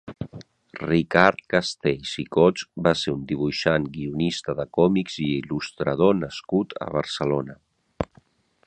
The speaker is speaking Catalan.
Ricard Castells i Cots va ser un dibuixant, guionista de còmics i Il·lustrador nascut a Barcelona.